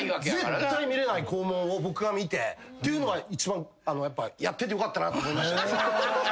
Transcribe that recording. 絶対見れない肛門を僕が見てっていうのは一番やっててよかったって思いました。